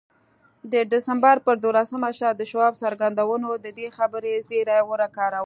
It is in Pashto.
د ډسمبر پر دولسمه شپه د شواب څرګندونو د دې خبرې زيري ورکاوه.